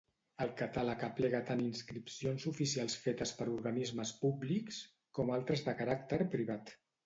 El catàleg aplega tant inscripcions oficials fetes per organismes públics, com altres de caràcter privat.